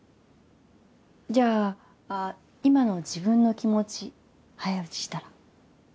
じゃあ今の自分の気持ち早打ちしたら？